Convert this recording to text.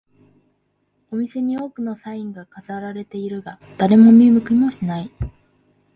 お店に多くのサインが飾られているが、誰も見向きもしない